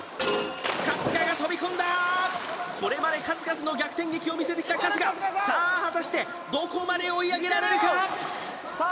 春日が飛び込んだこれまで数々の逆転劇を見せてきた春日さあ果たしてどこまで追い上げられるかさあ